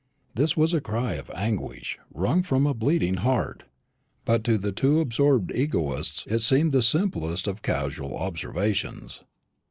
This was a cry of anguish wrung from a bleeding heart; but to the two absorbed egotists it seemed the simplest of casual observations.